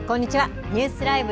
ニュースＬＩＶＥ！